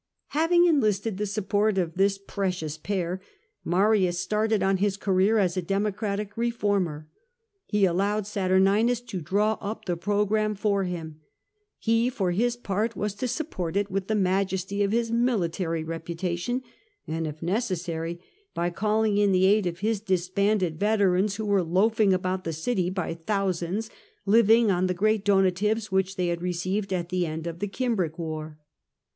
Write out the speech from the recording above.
Having enlisted the support of this precious pair, Marius started on his career as a Democratic reformer. He allowed Saturninus to draw up the programme for him ; he for his part was to support it with the majesty of his military reputation, and, if necessary, by calling in the aid of his disbanded veterans, who were loafing about the city by thousands, living on the great donatives which they had received at the end of the Cimbric war.